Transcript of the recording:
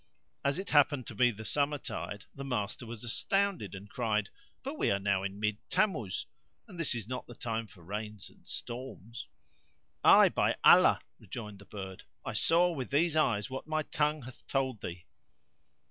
As it happened to be the summer tide the master was astounded and cried, "But we are now in mid Tammuz,[FN#92] and this is not the time for rains and storms." "Ay, by Allah," rejoined the bird, "I saw with these eyes what my tongue hath told thee."